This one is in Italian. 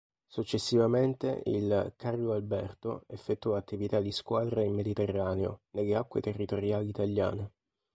Successivamente il "Carlo Alberto" effettuò attività di squadra in Mediterraneo, nelle acque territoriali italiane.